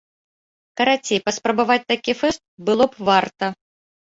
Карацей, паспрабаваць такі фэст было б варта!